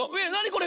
これ。